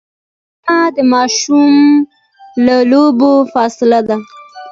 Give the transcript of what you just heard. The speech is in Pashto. غرمه د ماشوم له لوبو فاصله ده